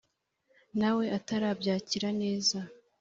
nawe atarabyakira neza